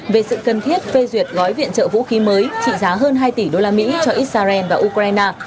về sự cần thiết phê duyệt gói viện trợ vũ khí mới trị giá hơn hai tỷ usd cho israel và ukraine